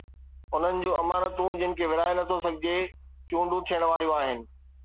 انهن جون امانتون، جن کي ورهائي نٿو سگهجي، چونڊون ٿيڻ واريون آهن.